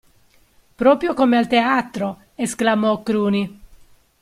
Proprio come al teatro, esclamò Cruni.